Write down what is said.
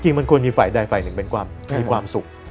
มันควรมีฝ่ายใดฝ่ายหนึ่งเป็นความมีความสุข